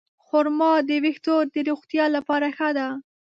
خرما د ویښتو د روغتیا لپاره ښه ده.